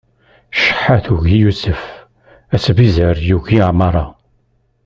Ceḥḥa tugi Yusef, asbizzer yugi Ɛmaṛa.